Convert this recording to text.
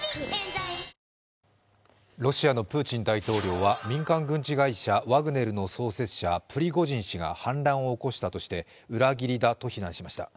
ロシアのプーチン大統領は民間軍人会社ワグネルの創設者・プリゴジン氏が反乱を起こしたとして裏切りだと非難しました。